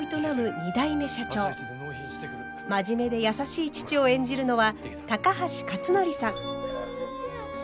真面目で優しい父を演じるのは高橋克典さん。